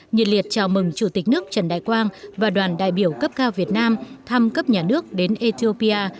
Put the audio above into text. nhiệt liệt chào mừng chủ tịch nước trần đại quang và đoàn đại biểu cấp cao việt nam thăm cấp nhà nước đến ethiopia